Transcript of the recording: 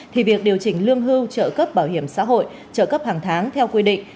thì việc điều chỉnh lương hưu trợ cấp bảo hiểm xã hội trợ cấp hàng tháng theo quy định